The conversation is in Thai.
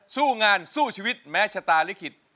สู้งานสู้ชีวิตแม้ชะตาลิขิต